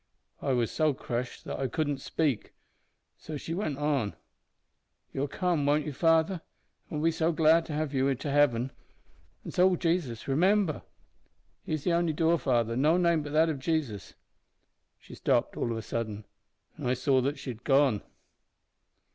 "I was so crushed that I couldn't speak, so she went on "`You'll come won't you, father? an' we'll be so glad to welcome you to heaven. An' so will Jesus. Remember, He is the only door, father, no name but that of Jesus ' She stopped all of a sudden, and I saw that she had gone home.